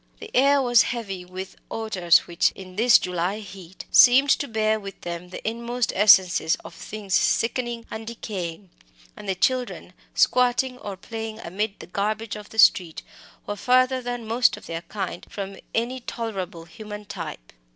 The air was heavy with odours which, in this July heat, seemed to bear with them the inmost essences of things sickening and decaying; and the children, squatting or playing amid the garbage of the street, were further than most of their kind from any tolerable human type.